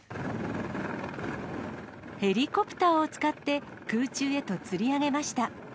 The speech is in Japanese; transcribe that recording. ヘリコプターを使って、空中へとつり上げました。